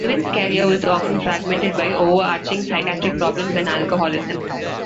Ewen's career was often fragmented by overarching psychiatric problems and alcoholism.